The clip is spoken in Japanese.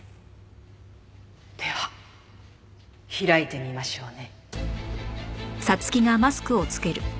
では開いてみましょうね。